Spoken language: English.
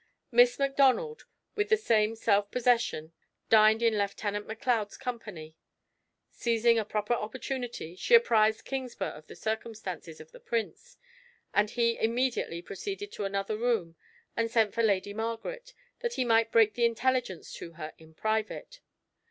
Miss Macdonald, with the same self possession, dined in Lieutenant Macleod's company. Seizing a proper opportunity, she apprised Kingsburgh of the circumstances of the Prince, and he immediately proceeded to another room, and sent for Lady Margaret, that he might break the intelligence to her in private.